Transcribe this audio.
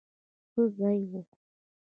ښه ځای وو.